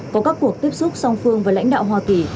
có các cuộc tiếp xúc song phương với lãnh đạo hoa kỳ